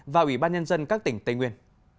và ủy ban nhân dân các tỉnh tây nguyên